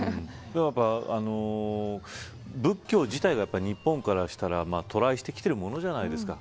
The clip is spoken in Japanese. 仏教自体がやっぱり日本からしたら渡来してきているものじゃないですか。